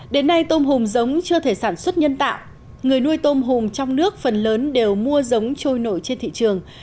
đến nay tôm hùm giống chưa thể sản xuất nhân tạo người nuôi tôm hùm trong nước phần lớn đều mua giống trôi nổi trên thị trường